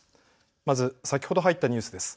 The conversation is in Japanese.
まず先ほど入ったニュースです。